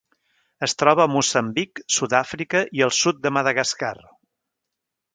Es troba a Moçambic, Sud-àfrica i al sud de Madagascar.